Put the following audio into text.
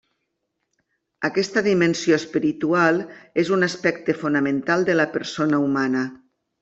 Aquesta dimensió espiritual és un aspecte fonamental de la persona humana.